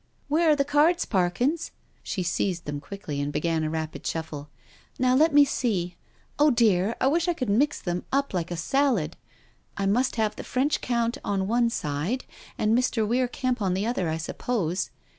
■• "Where are the cards. Parkins?" She seized them quickly and began a rapid shuffle. " Now, let me see. ••• Oh dear, I wish I could mix them all up like a salad I I must have the French Count on one side and Mr. Weir Kemp on the other, I suppose."